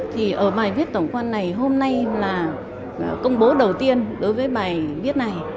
thì ở bài viết tổng quan này hôm nay là công bố đầu tiên đối với bài viết này